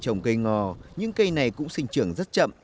trong khi trồng cây ngò những cây này cũng sinh trưởng rất chậm